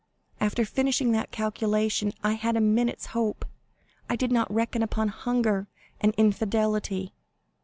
After finishing that calculation, I had a minute's hope. I did not reckon upon hunger and infidelity!"